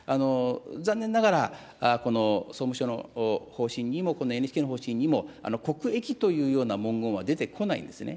残念ながら、この総務省の方針にも、このＮＨＫの方針にも、国益というような文言は出てこないんですね。